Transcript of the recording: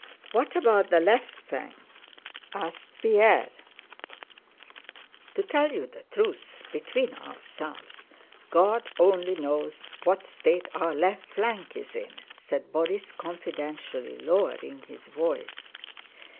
"What about the left flank?" asked Pierre "To tell you the truth, between ourselves, God only knows what state our left flank is in," said Borís confidentially lowering his voice.